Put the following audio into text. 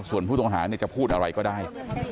ส่วนผู้ต่างหาเนี่ยจะพูดอะไรก็ได้